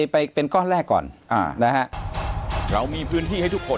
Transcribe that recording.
ไปเป็นก้อนแรกก่อนนะฮะ